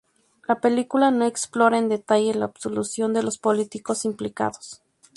La película no explora en detalle la absolución de los políticos implicados.